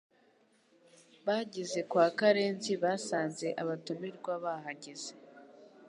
Bageze kwa Karenzi basanze abatumirwa bahageze